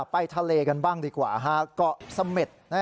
ไปทะเลกันบ้างดีกว่าเกาะเสม็ด